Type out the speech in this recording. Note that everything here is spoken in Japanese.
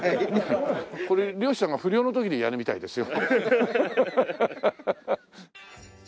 これ漁師さんが不漁の時にやるみたいですよ。